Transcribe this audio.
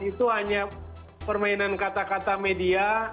itu hanya permainan kata kata media